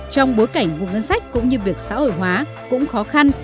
trong bối cảnh vụ ngân sách cũng như việc xã hội hóa cũng khó khăn